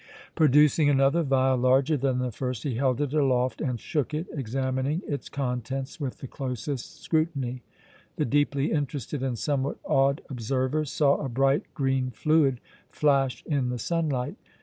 Producing another vial, larger than the first, he held it aloft and shook it, examining its contents with the closest scrutiny. The deeply interested and somewhat awed observers saw a bright green fluid flash in the sunlight.